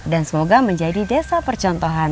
semoga menjadi desa percontohan